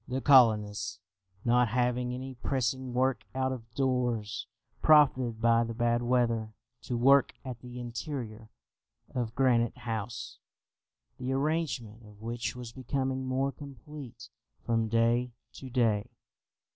The colonists, not having any pressing work out of doors, profited by the bad weather to work at the interior of Granite House, the arrangement of which was becoming more complete from day to day.